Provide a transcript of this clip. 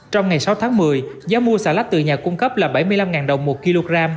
trong ngày sáu tháng một mươi giá mua xà lách từ nhà cung cấp là bảy mươi năm đồng một kg